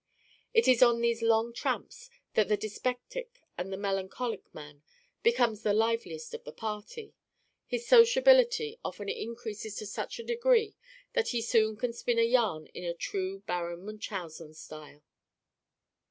It is on these long tramps that the dyspeptic and melancholic man becomes the liveliest of the party; his sociability often increases to such a degree that he soon can spin a yarn in a true Baron Munchausen style.